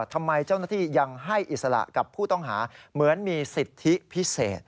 ทำไมเจ้าหน้าที่ยังให้อิสระกับผู้ต้องหาเหมือนมีสิทธิพิเศษ